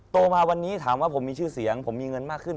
โตมาวันนี้ถามว่าผมมีชื่อเสียงผมมีเงินมากขึ้น